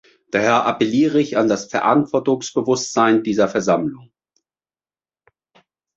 Daher appelliere ich an das Verantwortungsbewusstsein dieser Versammlung.